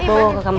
bo ke kamar